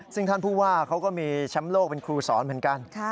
ซึ่งท่านผู้ว่าเขาก็มีแชมป์โลกเป็นครูสอนเหมือนกัน